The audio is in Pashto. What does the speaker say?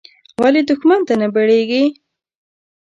ولې دوښمن ته نه بړېږې.